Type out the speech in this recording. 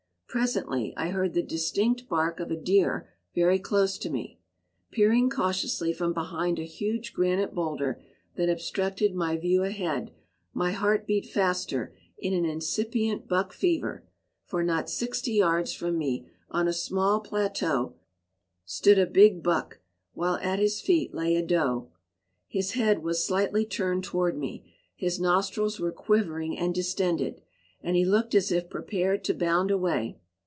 Presently I heard the distinct bark of a deer very close to me. Peering cautiously from behind a huge granite boulder that obstructed my view ahead, my heart beat faster in an incipient buck fever, for not sixty yards from me, on a small plateau, stood a big buck, while at his feet lay a doe. His head was slightly turned toward me, his nostrils were quivering and distended, and he looked as if prepared to bound away.